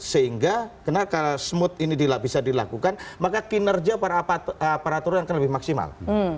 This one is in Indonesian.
sehingga karena kalau smooth ini bisa dilakukan maka kinerja peraturan akan lebih maksimal